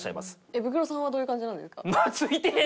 えっブクロさんはどういう感じなんですか？